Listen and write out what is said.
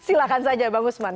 silahkan saja bang usman